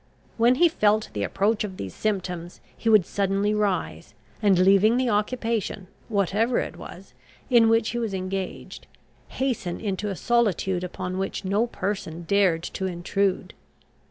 When he felt the approach of these symptoms, he would suddenly rise, and, leaving the occupation, whatever it was, in which he was engaged, hasten into a solitude upon which no person dared to intrude.